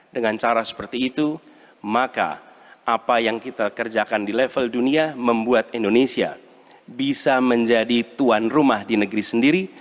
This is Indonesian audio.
dengan cara seperti itu maka apa yang kita kerjakan di level dunia membuat indonesia bisa menjadi tuan rumah di negeri sendiri